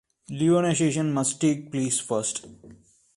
Ionization must take place first.